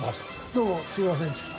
どうもすみませんでした。